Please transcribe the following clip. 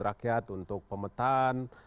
rakyat untuk pemetan